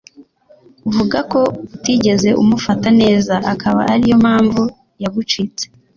Vugako utigeze umufata neza akaba ariyo mpamvu yagucitse